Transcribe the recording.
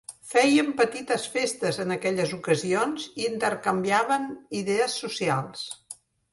Fèiem petites festes en aquelles ocasions i intercanviàvem idees socials.